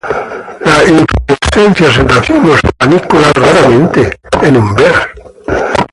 Las inflorescencias en racimos o panículas, raramente en umbelas.